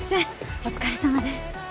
お疲れさまです